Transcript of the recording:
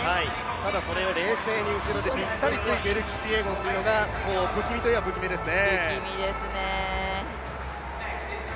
ただ、それを冷静に後ろでぴったりついているキピエゴンが不気味といえば不気味ですね。